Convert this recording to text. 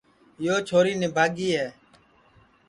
یو چھوری نِبھاگی ہے